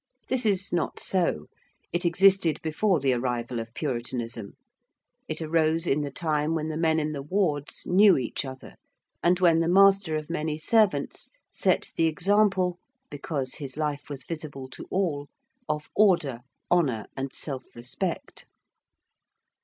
This is not so: it existed before the arrival of Puritanism: it arose in the time when the men in the wards knew each other and when the master of many servants set the example, because his life was visible to all, of order, honour, and self respect.